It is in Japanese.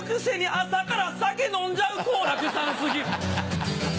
朝から酒飲んじゃう好楽さん好き